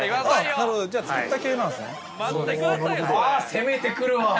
◆攻めてくるわ。